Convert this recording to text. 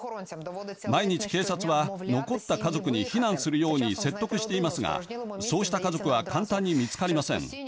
毎日警察は残った家族に避難するように説得していますがそうした家族は簡単に見つかりません。